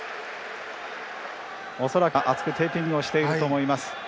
恐らく厚くテーピングをしていると思います。